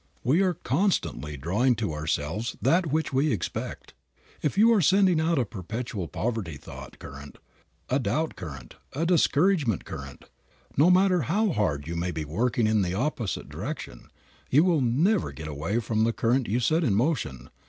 We are constantly drawing to ourselves that which we expect. If you are sending out a perpetual poverty thought current, a doubt current, a discouragement current, no matter how hard you may be working in the opposite direction, you will never get away from the current you set in motion.